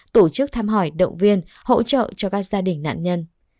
tổ chức thăm hỏi động viên hỗ trợ cho các gia đình nạn nhân